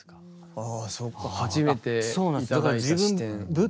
ああそっか初めて頂いた視点。